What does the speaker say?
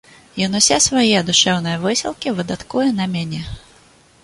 Ён усе свае душэўныя высілкі выдаткуе на мяне.